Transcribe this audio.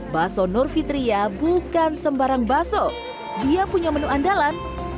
baso nur fitriya bukan sembarang baso dia punya menu andalan